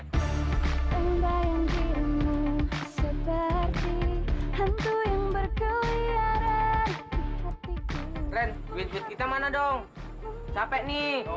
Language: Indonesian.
ren duit duit kita mana dong capek nih